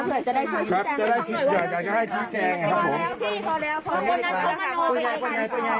ทุกอย่างนะเถอะจะอยากจะได้ที่แจงครับผม